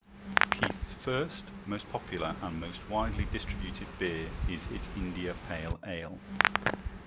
Keith's first, most popular, and most widely distributed beer is its India Pale Ale.